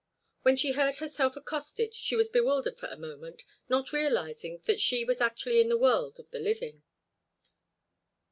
When she heard herself accosted she was bewildered for a moment, not realizing that she was actually in the world of the living.